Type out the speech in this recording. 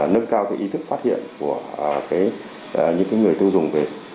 nâng cao cái ý thức phát hiện của những người tiêu dùng